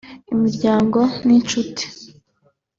Imiryango n’inshuti